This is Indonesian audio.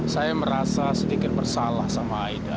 saya merasa sedikit bersalah sama aida